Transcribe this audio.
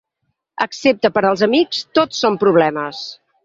Excepte per als amics, tot són problemes.